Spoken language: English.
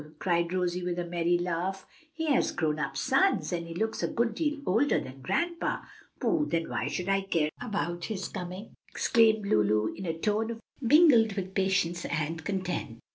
cried Rosie, with a merry laugh. "He has grown up sons, and he looks a good deal older than grandpa." "Pooh! then why should I care about his coming!" exclaimed Lulu, in a tone of mingled impatience and contempt.